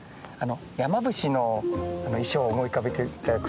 山伏の衣装を思い浮かべて頂くと